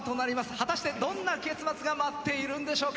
果たしてどんな結末が待っているんでしょうか。